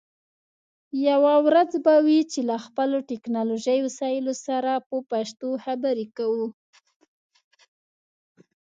یوه ورځ به وي چې له خپلو ټکنالوژی وسایلو سره په پښتو خبرې کوو